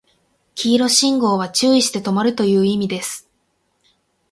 黄色信号は注意して止まるという意味です